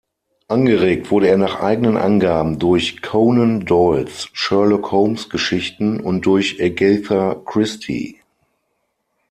Angeregt wurde er nach eigenen Angaben durch Conan Doyles Sherlock-Holmes-Geschichten und durch Agatha Christie.